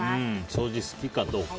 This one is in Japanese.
掃除好きかどうか。